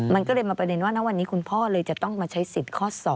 มันก็เลยมาประเด็นว่าณวันนี้คุณพ่อเลยจะต้องมาใช้สิทธิ์ข้อ๒